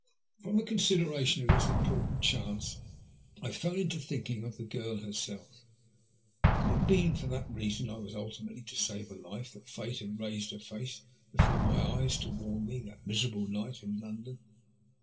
From a consideration of this important chance I fell to thinking of the girl herself. Could it have been for the reason that I was ultimately to save her life that Fate had raised her face before my eyes to warn me that miserable night in London?